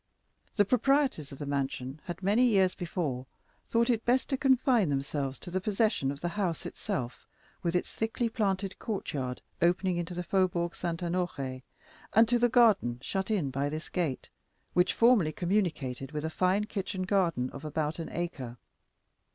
The proprietors of the mansion had many years before thought it best to confine themselves to the possession of the house itself, with its thickly planted courtyard, opening into the Faubourg Saint Honoré, and to the garden shut in by this gate, which formerly communicated with a fine kitchen garden of about an acre.